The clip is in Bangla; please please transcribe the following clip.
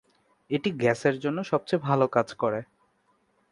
এটি গ্যাসের জন্য সবচেয়ে ভাল কাজ করে।